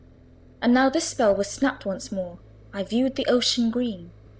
And now this spell was snapt: once more I viewed the ocean green.